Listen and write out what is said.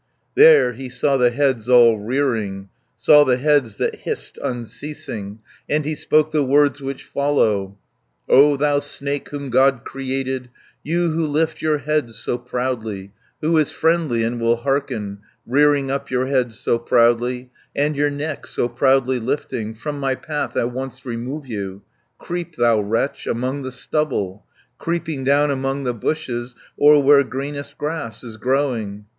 There he saw the heads all rearing, Saw the heads that hissed unceasing, And he spoke the words which follow: "O thou snake, whom God created, You who lift your head so proudly, Who is friendly and will hearken, 80 Rearing up your head so proudly, And your neck so proudly lifting; From my path at once remove you, Creep, thou wretch, among the stubble, Creeping down among the bushes, Or where greenest grass is growing!